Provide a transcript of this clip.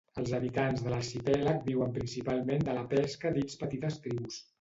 Els habitants de l'arxipèlag viuen principalment de la pesca dins petites tribus.